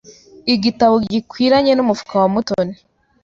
Igitabo gikwiranye nu mufuka wa Mutoni.